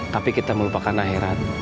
tapi kita melupakan akhirat